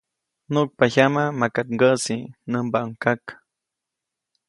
‒nuʼkpa jyama, ¡maka ŋgäʼsi!‒ nämbaʼuŋ kak.